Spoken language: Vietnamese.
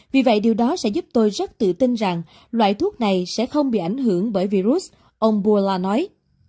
vì vậy điều đó sẽ giúp tôi rất tự tin rằng loại thuốc này sẽ không bị ảnh hưởng bởi virus ông buala nói